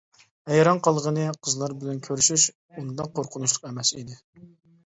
ھەيران قالغىنى، قىزلار بىلەن كۆرۈشۈش ئۇنداق قورقۇنچلۇق ئەمەس ئىدى.